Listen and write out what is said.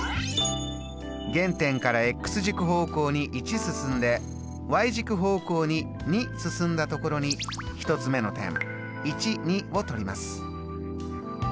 原点から軸方向に１進んで軸方向に２進んだところに１つ目の点を取ります。